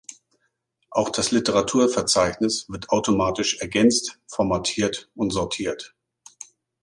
Auch das Literaturverzeichnis wird automatisch ergänzt, formatiert und sortiert.